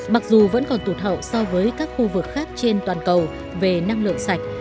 mặc dù vẫn còn tụt hậu so với các khu vực khác trên toàn cầu về năng lượng sạch